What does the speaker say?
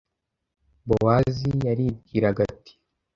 bowozi yaribwiraga ati